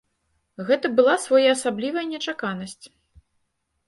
Гэта была своеасаблівая нечаканасць.